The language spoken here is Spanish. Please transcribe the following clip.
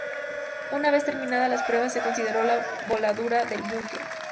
Una vez terminadas las pruebas se consideró la voladura del búnker.